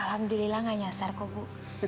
alhamdulillah nggak nyasar kok bu